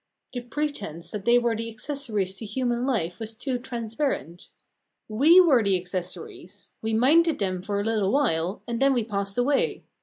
The pretence that they were the accessories to human life was too transparent. We were the accessories; we minded them for a little while, and then we passed away.